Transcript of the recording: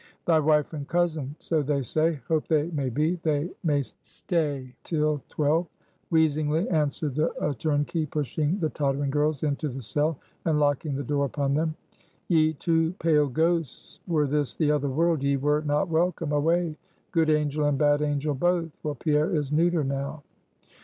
"Thy wife and cousin so they say; hope they may be; they may stay till twelve;" wheezingly answered a turnkey, pushing the tottering girls into the cell, and locking the door upon them. "Ye two pale ghosts, were this the other world, ye were not welcome. Away! Good Angel and Bad Angel both! For Pierre is neuter now!"